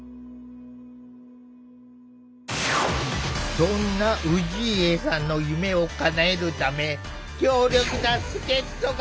そんな氏家さんの夢をかなえるため強力な助っ人が。